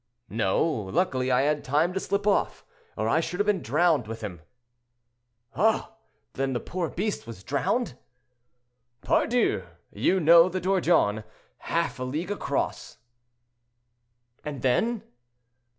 "No; luckily I had time to slip off, or I should have been drowned with him." "Ah! then the poor beast was drowned?" "Pardioux! you know the Dordogne—half a league across." "And then?"